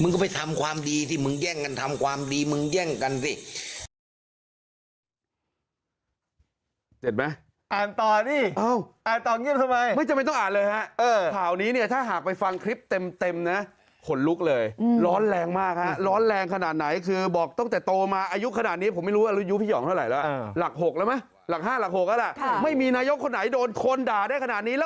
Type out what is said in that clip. ก็ไปทำความดีสิมึงแย่งกันทำความดีมึงแย่งกันสิ